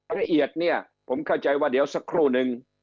ละเอียดเนี่ยผมเข้าใจว่าเดี๋ยวสักครู่นึง